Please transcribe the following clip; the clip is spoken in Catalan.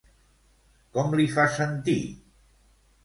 Com li fa sentir?